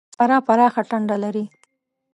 سارا پراخه ټنډه لري.